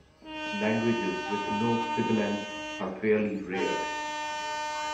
Languages with no sibilants are fairly rare.